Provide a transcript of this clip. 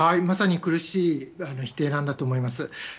まさに苦しい否定なんだと思います。